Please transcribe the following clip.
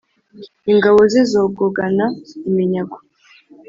Ingabo ze zogogana iminyago.